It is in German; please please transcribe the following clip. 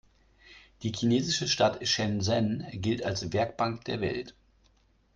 Die chinesische Stadt Shenzhen gilt als „Werkbank der Welt“.